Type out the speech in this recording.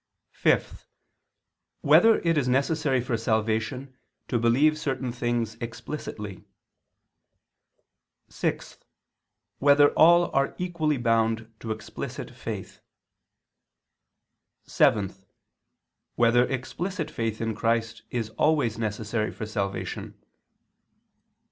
(5) Whether it is necessary for salvation to believe certain things explicitly? (6) Whether all are equally bound to explicit faith? (7) Whether explicit faith in Christ is always necessary for salvation?